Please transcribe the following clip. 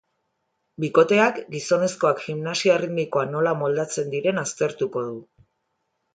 Bikoteak, gizonezkoak gimnasia erritmikoan nola moldatzen diren aztertuko du.